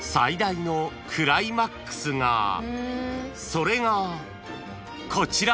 ［それがこちら！］